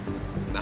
何？